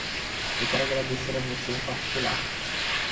Eu quero agradecer a você em particular.